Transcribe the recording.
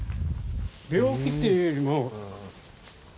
病気っていうよりも。